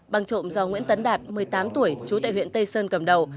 bằng trộm do nguyễn tấn đạt một mươi tám tuổi chú tại huyện tây sơn cầm đầu